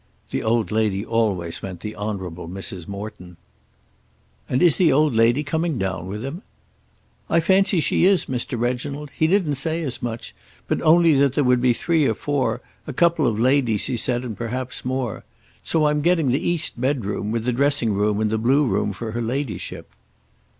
The old lady always meant the Honourable Mrs. Morton. "And is the old lady coming down with him?" "I fancy she is, Mr. Reginald. He didn't say as much, but only that there would be three or four, a couple of ladies he said, and perhaps more. So I am getting the east bedroom, with the dressing room, and the blue room for her ladyship."